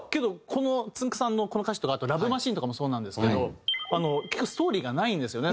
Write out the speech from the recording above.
このつんく♂さんのこの歌詞とかあと『ＬＯＶＥマシーン』とかもそうなんですけどストーリーがないんですよね。